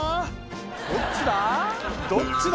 「どっちだ？